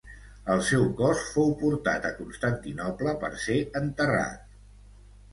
El seu cos fou portat a Constantinoble per ser enterrat.